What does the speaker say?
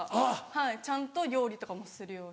ちゃんと料理とかもするように。